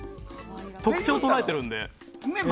特徴を捉えているので。